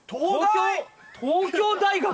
東京大学？